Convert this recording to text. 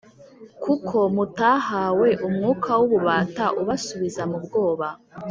kuko mutahawe umwuka w'ububata ubasubiza mu bwoba,